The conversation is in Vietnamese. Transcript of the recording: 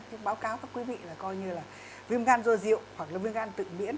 thì báo cáo các quý vị là coi như là viêm gan do rượu hoặc là viêm gan tự miễn